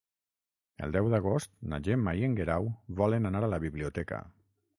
El deu d'agost na Gemma i en Guerau volen anar a la biblioteca.